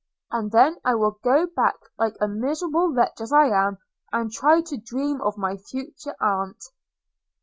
And then I will go back like a miserable wretch as I am, and try to dream of my future aunt.'